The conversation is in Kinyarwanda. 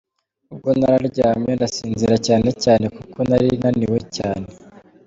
Ubwo nararyame ndasinzira cyane cyane kuko nari naniwe cyane.